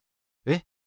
えっ？